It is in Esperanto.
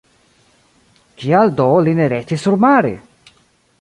Kial do li ne restis surmare!